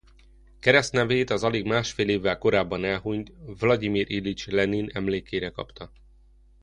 Keresztnevét az alig másfél évvel korábban elhunyt Vlagyimir Iljics Lenin emlékére kapta.